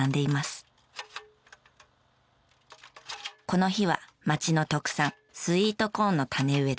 この日は町の特産スイートコーンの種植えです。